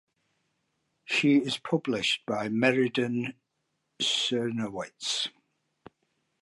She is published by Meridian Czernowitz.